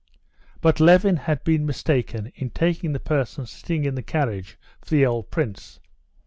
But Levin had been mistaken in taking the person sitting in the carriage for the old prince.